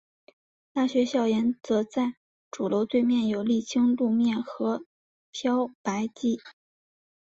大学校园则在主楼对面有沥青路面和漂白机。